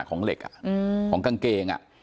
ของเหล็กของกางเกง